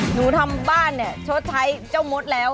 หนูทำบ้านเนี่ยชดใช้เจ้ามดแล้ว